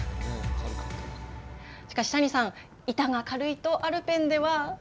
しかし、谷さん板が軽いとアルペンでは。